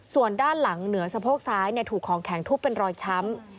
ส่วนด้านหลังเหนือสะโพกซ้ายถูกของแข็งทุบเป็นรอยช้ำ